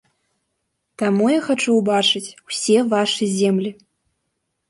Таму я хачу ўбачыць усе вашы землі.